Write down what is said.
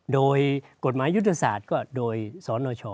โดยกฎหมายยุทธศาสตร์ก็โดยสนช